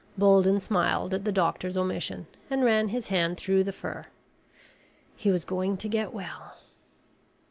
Bolden smiled at the doctor's omission and ran his hand through the fur. He was going to get well.